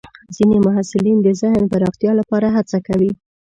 ځینې محصلین د ذهن پراختیا لپاره هڅه کوي.